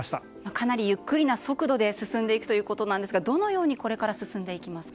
かなりゆっくりな速度で進んでいくということですがどのようにこれから進んでいきますか。